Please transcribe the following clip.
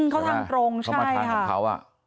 เขาทางตรงใช่ไหมเขามาทางของเขา